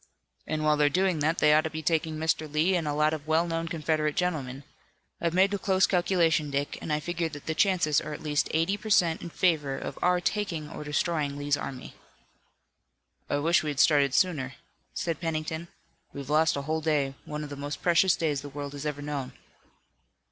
"And while they're doing that we ought to be taking Mr. Lee and a lot of well known Confederate gentlemen. I've made a close calculation, Dick, and I figure that the chances are at least eighty per cent in favor of our taking or destroying Lee's army." "I wish we had started sooner," said Pennington. "We've lost a whole day, one of the most precious days the world has ever known."